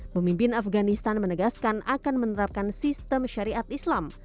pemimpin afganistan menegaskan akan menerapkan sistem syariat islam